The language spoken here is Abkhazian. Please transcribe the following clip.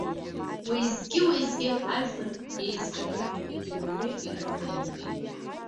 Уеизгьы-уеизгьы ажәлар еизгатәуп ҳәагьы уаҩы ирылеимҳәеит.